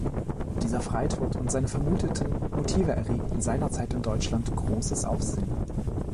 Dieser Freitod und seine vermuteten Motive erregten seinerzeit in Deutschland großes Aufsehen.